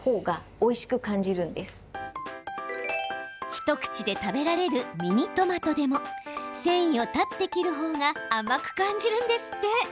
一口で食べられるミニトマトでも繊維を断って切る方が甘く感じるんですって。